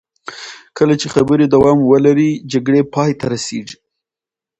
کله چې خبرې دوام ولري، جګړې پای ته رسېږي.